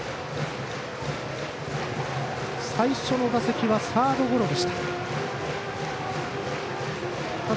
最初の打席はサードゴロでした。